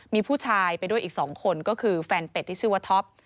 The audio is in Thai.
มีผู้ชายไปด้วยอีก๒คนก็คือแฟนเป็ดที่ชื่อว่าท็อป